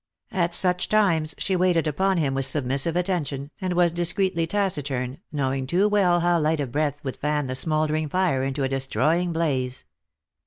At such times she waited upon him with submissive attention, and was discreetly taciturn, knowing too well how light a breath would fan the smouldering fire into a destroying blaze.